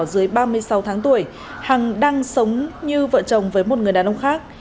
dưới ba mươi sáu tháng tuổi hằng đang sống như vợ chồng với một người đàn ông khác